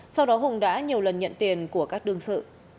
sau đó hùng đã nhiều lần nhận tiền của các đương sự